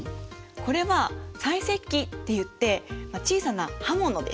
これは細石器っていってまあ小さな刃物です。